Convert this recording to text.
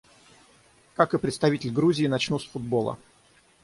Как и представитель Грузии, начну с футбола.